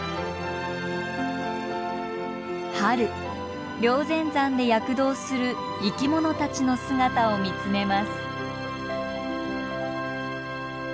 春霊仙山で躍動する生きものたちの姿を見つめます。